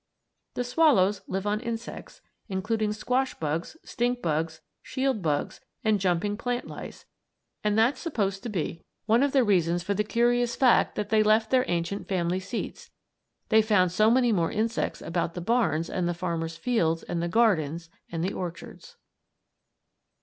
The swallows live on insects including squash bugs, stink bugs, shield bugs, and jumping plant lice; and that's supposed to be one of the reasons for the curious fact that they left their ancient family seats they found so many more insects about the barns and the farmer's fields and the gardens and the orchards.